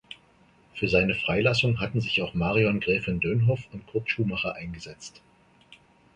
Für seine Freilassung hatten sich auch Marion Gräfin Dönhoff und Kurt Schumacher eingesetzt.